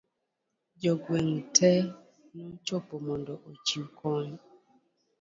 jogweng' te nochopo mondo ochiw kony